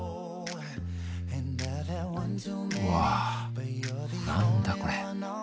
うわ何だこれ。